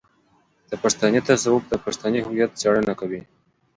د پښتني تصوف د پښتني هويت څېړنه کوي.